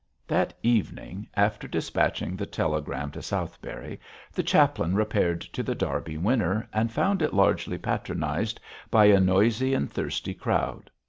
That evening, after despatching the telegram to Southberry, the chaplain repaired to The Derby Winner and found it largely patronised by a noisy and thirsty crowd.